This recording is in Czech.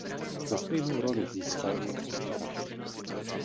Za stejnou roli získal i Oscara.